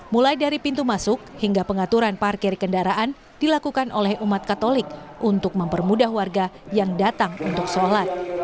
mulai dari pintu masuk hingga pengaturan parkir kendaraan dilakukan oleh umat katolik untuk mempermudah warga yang datang untuk sholat